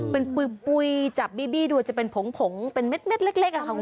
เป็นปุ๋ยจับบีบี้ดูจะเป็นผงผงเป็นเม็ดเล็กค่ะคุณผู้ชม